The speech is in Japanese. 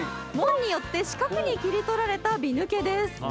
門によって四角に切り取られた美抜けです。